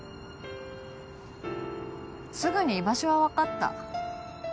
すぐに居場所は分かった。